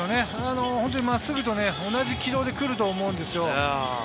真っすぐと同じ軌道で来ると思うんですよ。